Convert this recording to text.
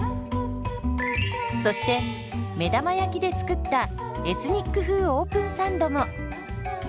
そして目玉焼きで作ったエスニック風オープンサンドも。